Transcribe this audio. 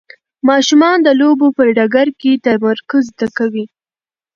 ماشومان د لوبو په ډګر کې تمرکز زده کوي.